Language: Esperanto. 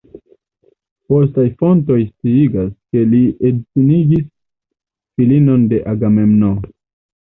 Postaj fontoj sciigas, ke li edzinigis filinon de Agamemno.